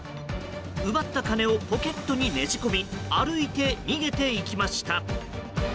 奪った金をポケットにねじ込み歩いて逃げていきました。